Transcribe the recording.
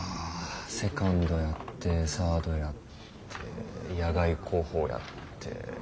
セカンドやってサードやって野外航法やって。